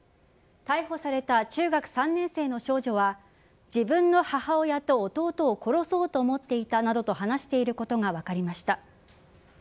逮捕された中学３年生の少女は自分の母親と弟を殺そうと思っていたなどと話していることが分かりました。